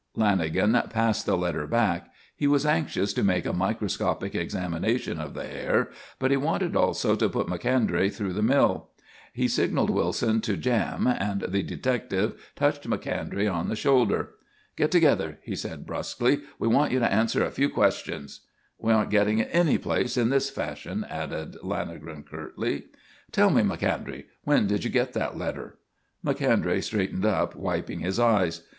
_ Lanagan passed the letter back. He was anxious to make a microscopic examination of the hair, but he wanted also to put Macondray through a mill. He signalled Wilson to "jam," and the detective touched Macondray on the shoulder. "Get together," he said brusquely. "We want you to answer a few questions." "We aren't getting any place in this fashion," added Lanagan curtly. "Tell me, Macondray, when did you get that letter?" Macondray straightened up, wiping his eyes.